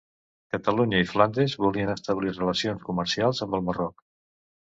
Catalunya i Flandes volien establir relacions comercials amb el Marroc